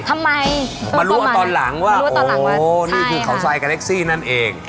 อ๋อมารู้ว่าตอนหลังว่านี่คือขาวไซด์เกล็กซี่นั่นเอง